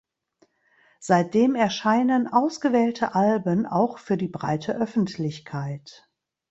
Seitdem erscheinen ausgewählte Alben auch für die breite Öffentlichkeit.